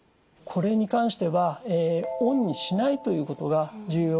これに関してはオンにしないということが重要になります。